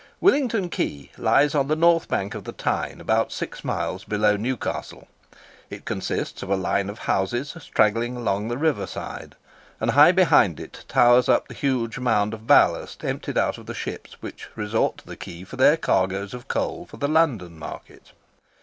Willington Quay lies on the north bank of the Tyne, about six miles below Newcastle. It consists of a line of houses straggling along the river side; and high behind it towers up the huge mound of ballast emptied out of the ships which resort to the quay for their cargoes of coal for the London market.